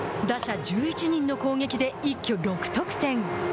打者１１人の攻撃で一挙６得点。